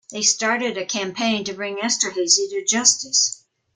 They started a campaign to bring Esterhazy to justice.